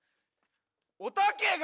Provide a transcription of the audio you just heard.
「おたけが」